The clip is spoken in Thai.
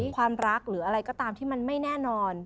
ความรักหรืออะไรก็ตามที่มันไม่แน่นอน